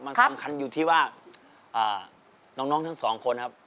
มันสำคัญอยู่ที่ว่าน้องทั้งสองคนครับ